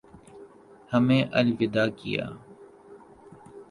ہمیں الوداع کیا